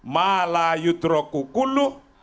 ma layut roh kukuluh